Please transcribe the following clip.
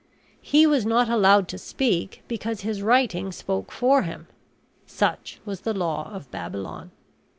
He was not allowed to speak because his writing spoke for him. Such was the law of Babylon.